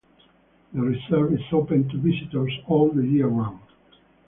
The reserve is open to visitors all the year round.